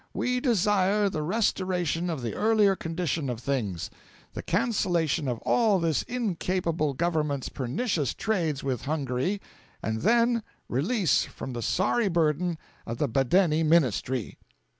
We desire the restoration of the earlier condition of things; the cancellation of all this incapable Government's pernicious trades with Hungary; and then release from the sorry burden of the Badeni ministry!